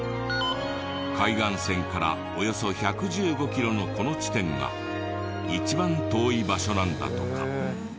海岸線からおよそ１１５キロのこの地点が一番遠い場所なんだとか。